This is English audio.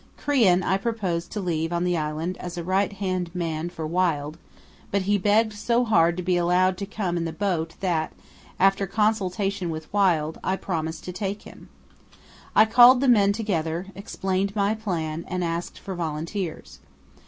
Crean I proposed to leave on the island as a right hand man for Wild, but he begged so hard to be allowed to come in the boat that, after consultation with Wild, I promised to take him. I called the men together, explained my plan, and asked for volunteers.